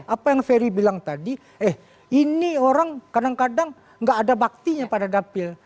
apa yang ferry bilang tadi eh ini orang kadang kadang nggak ada baktinya pada dapil